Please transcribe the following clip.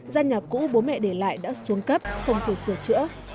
gian nhà cũ bố mẹ để lại đã xuống cấp không thể sửa chữa